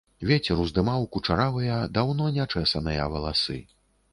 Вецер уздымаў кучаравыя, даўно не чэсаныя валасы.